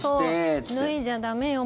脱いじゃ駄目よ